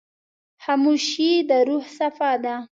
خاموشي، د روح صفا ده.